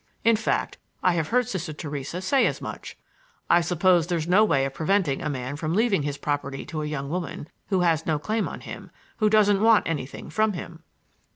In fact, I have heard Sister Theresa say as much. I suppose there's no way of preventing a man from leaving his property to a young woman, who has no claim on him,—who doesn't want anything from him."